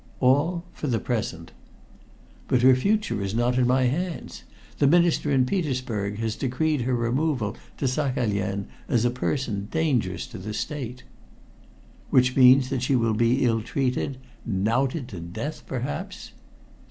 "All for the present." "But her future is not in my hands. The Minister in Petersburg has decreed her removal to Saghalien as a person dangerous to the State." "Which means that she will be ill treated knouted to death, perhaps."